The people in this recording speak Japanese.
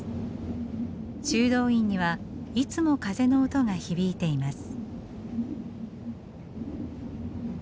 修道院にはいつも風の音が響いています。